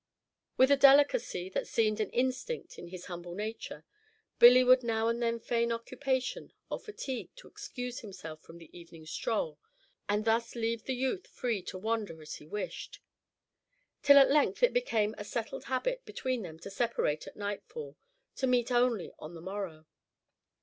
With a delicacy that seemed an instinct in his humble nature, Billy would now and then feign occupation or fatigue to excuse himself from the evening stroll, and thus leave the youth free to wander as he wished; till at length it became a settled habit between them to separate at nightfall, to meet only on the morrow.